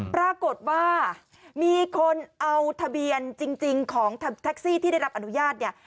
ปรากฏว่ามีคนเอาทะเบียนจริงของแท็กซี่ที่ได้รับอนุญาตเนี่ย